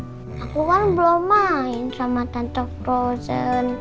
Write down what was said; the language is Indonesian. aku kan belum main sama tante rosen